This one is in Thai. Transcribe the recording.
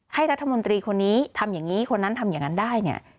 ให้รัฐมนตรีคนนี้ทำอย่างนี้คนนั้นทำอย่างนั้นได้เนี่ย